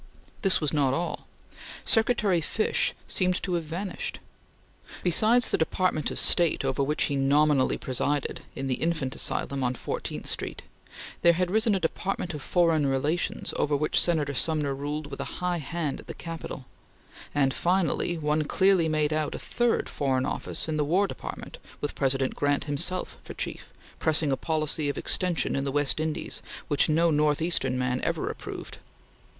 This was not all. Secretary Fish seemed to have vanished. Besides the Department of State over which he nominally presided in the Infant Asylum on Fourteenth Street, there had risen a Department of Foreign Relations over which Senator Sumner ruled with a high hand at the Capitol; and, finally, one clearly made out a third Foreign Office in the War Department, with President Grant himself for chief, pressing a policy of extension in the West Indies which no Northeastern man ever approved.